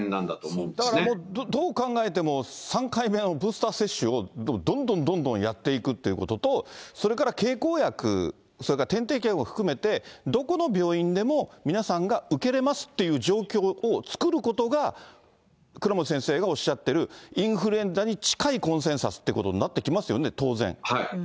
だからもうどう考えても、３回目のブースター接種をどんどんどんどんやっていくということと、それから経口薬、それから点滴も含めて、どこの病院でも皆さんが受けれますっていう状況を作ることが、倉持先生がおっしゃっているインフルエンザに近いコンセンサスということになってきますよね、当然。